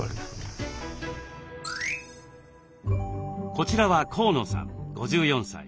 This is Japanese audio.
こちらは河野さん５４歳。